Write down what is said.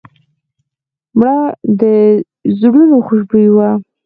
مړه د زړونو خوشبويي وه